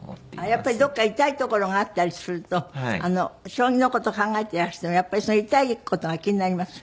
やっぱりどこか痛い所があったりすると将棋の事を考えていらしてもやっぱりその痛い事が気になります？